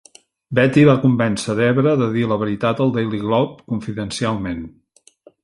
Betty va convèncer Debra de dir la veritat al Daily Globe, confidencialment.